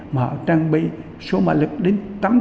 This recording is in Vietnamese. mà họ trang bị số mạ lực đến